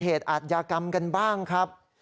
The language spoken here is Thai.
เหตุอัดยากรรมกันบ้างครับ